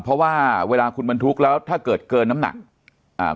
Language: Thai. เพราะว่าเวลาคุณบรรทุกแล้วถ้าเกิดเกินน้ำหนักอ่า